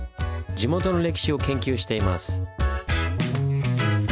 地元の歴史を研究しています。